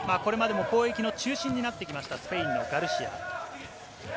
これまでも攻撃の中心になってきましたスペインのガルシア。